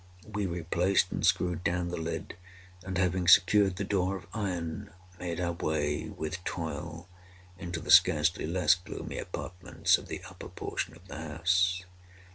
We replaced and screwed down the lid, and, having secured the door of iron, made our way, with toil, into the scarcely less gloomy apartments of the upper portion of the house.